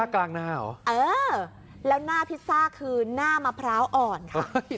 กลางหน้าเหรอเออแล้วหน้าพิซซ่าคือหน้ามะพร้าวอ่อนค่ะ